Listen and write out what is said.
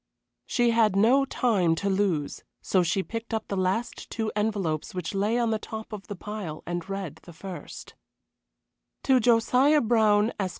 She had no time to lose, so she picked up the last two envelopes which lay on the top of the pile and read the first: To Josiah Brown, Esq.